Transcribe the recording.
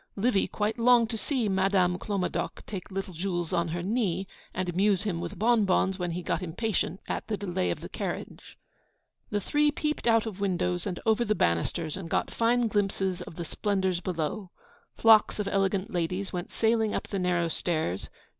Livy quite longed to see Madame Clomadoc take little Jules on her knee, and amuse him with bonbons when he got impatient at the delay of the carriage. The Three peeped out of windows, and over the banisters, and got fine glimpses of the splendours below. Flocks of elegant ladies went sailing up the narrow stairs.